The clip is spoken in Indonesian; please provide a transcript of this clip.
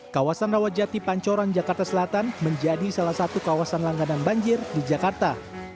kawasan rawajati pancoran jakarta selatan menjadi salah satu kawasan langganan banjir di jakarta